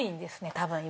多分今。